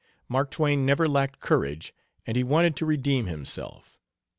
Mark Twain never lacked courage and he wanted to redeem himself.